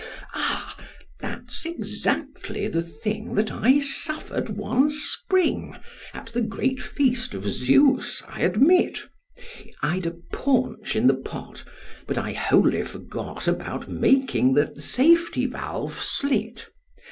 STREPS. That's exactly the thing, that I suffered one spring, at the great feast of Zeus, I admit: I'd a paunch in the pot, but I wholly forgot about making the safety valve slit.